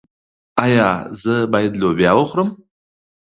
ایا زه باید لوبیا وخورم؟